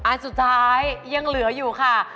อันสุดท้ายยังเหลืออยู่ค่ะ